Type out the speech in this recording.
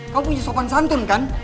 kamu punya sopan santun kan